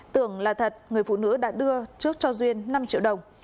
tưởng là thật người phụ nữ đã đưa trước cho duyên năm triệu đồng